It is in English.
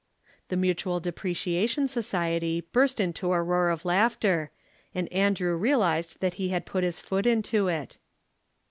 _"] The Mutual Depreciation Society burst into a roar of laughter and Andrew realized that he had put his foot into it.